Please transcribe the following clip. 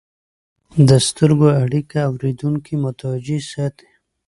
د سترګو اړیکه اورېدونکي متوجه ساتي.